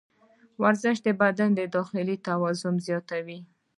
ورزش د بدن داخلي توان زیاتوي.